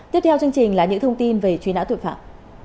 tiếp theo chương trình là những thông tin về truy nã tội phạm